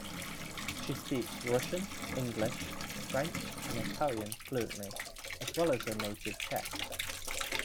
She speaks Russian, English, French and Italian fluently, as well as her native Czech.